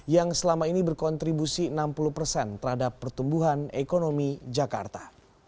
yang selama ini berkontribusi enam puluh persen terhadap pertumbuhan ekonomi jakarta